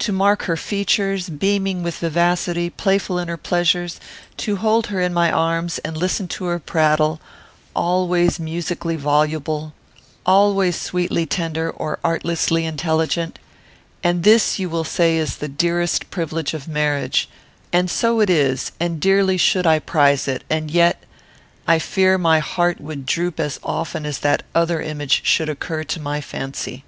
To mark her features, beaming with vivacity; playful in her pleasures; to hold her in my arms, and listen to her prattle, always musically voluble, always sweetly tender, or artlessly intelligent and this you will say is the dearest privilege of marriage; and so it is; and dearly should I prize it; and yet, I fear my heart would droop as often as that other image should occur to my fancy.